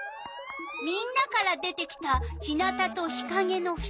みんなから出てきた日なたと日かげのふしぎ。